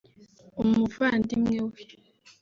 umuvandimwe we